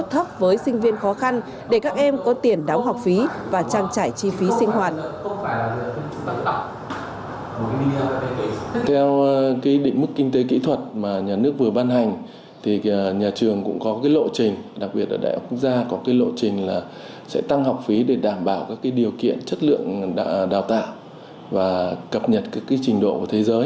đặc biệt là ở trường đại học y khoa phạm ngọc thạch cũng có sự điều chỉnh tăng học phí để đảm bảo các điều kiện chất lượng đào tạo và cập nhật các trình độ của thế giới